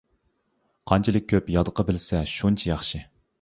قانچىلىك كۆپ يادقا بىلسە شۇنچە ياخشى.